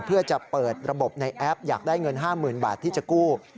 เพื่อจะเปิดระบบในแอปอยากได้เงิน๕๐๐๐บาทที่จะกู้